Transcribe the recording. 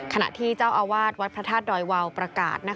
ขณะที่เจ้าอาวาสวัดพระธาตุดอยวาวประกาศ